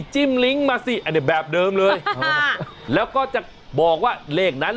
จิ้มลิงก์มาสิอันนี้แบบเดิมเลยแล้วก็จะบอกว่าเลขนั้น